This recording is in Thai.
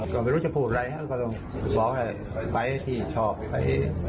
ก็ไม่รู้จะพูดอะไรเราก็สมบัติไปที่ชอบไป